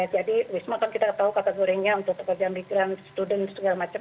jadi wisma kan kita tahu kategorinya untuk pekerjaan migran student segala macam